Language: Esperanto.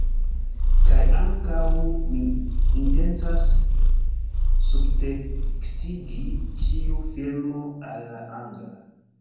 Kaj ankaŭ mi intencas subtekstigi ĉiu filmo al la angla